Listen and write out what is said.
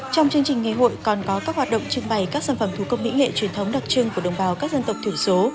trong chương trình ngày hội còn có các hoạt động trưng bày các sản phẩm thủ công mỹ nghệ truyền thống đặc trưng của đồng bào các dân tộc thiểu số